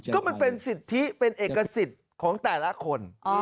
ก็มันเป็นสิทธิเป็นเอกสิทธิ์ของแต่ละคน